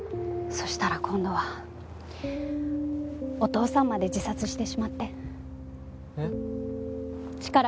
そしたら今度はお父さんまで自殺してしまって。